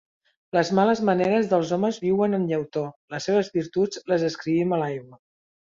Les males maneres dels homes viuen en llautó; les seves virtuts les escrivim a l'aigua